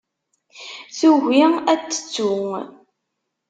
Tugi ad t-tettu.